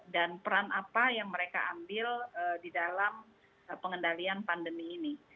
dan peran apa yang mereka ambil di dalam pengendalian pandemi ini